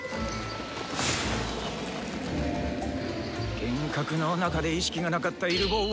幻覚の中で意識がなかったイル坊を！